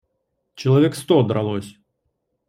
Человек сто дралось